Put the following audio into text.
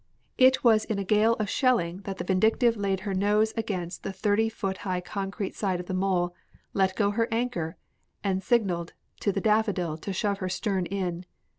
It was in a gale of shelling that the Vindictive laid her nose against the thirty foot high concrete side of the mole, let go her anchor, and signaled to the Daffodil to shove her stern in.